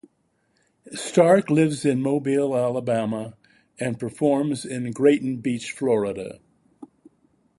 Starks lives in Mobile, Alabama and performs in Grayton Beach, Florida.